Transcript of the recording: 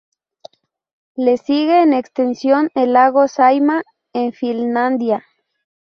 Le sigue en extensión el lago Saimaa en Finlandia.